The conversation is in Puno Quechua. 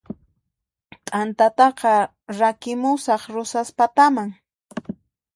T'antataqa rakimusaq Rosaspataman